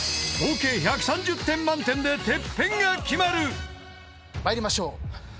［合計１３０点満点でＴＥＰＰＥＮが決まる］参りましょう。